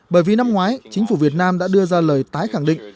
bởi vì năm ngoái chính phủ việt nam đã đưa ra lời tái khẳng định